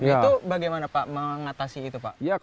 itu bagaimana pak mengatasi itu pak